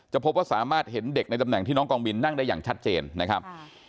พบว่าสามารถเห็นเด็กในตำแหน่งที่น้องกองบินนั่งได้อย่างชัดเจนนะครับ